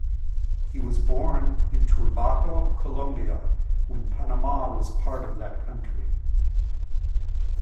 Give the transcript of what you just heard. He was born in Turbaco, Colombia, when Panama was part of that country.